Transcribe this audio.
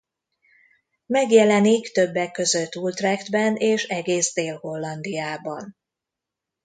Megjelenik többek között Utrechtben és egész Dél-Hollandiában.